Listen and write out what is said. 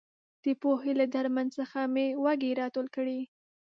د پوهې له درمن څخه مې وږي راټول کړي.